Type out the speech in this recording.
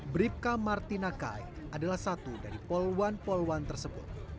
bribka martina kai adalah satu dari polwan poluan tersebut